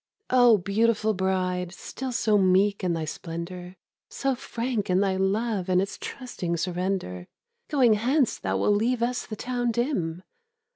O, beautiful bride, still so meek in thy splendour, So frank in thy love and its trusting surrender, Going hence thou wilt leave us the town dim!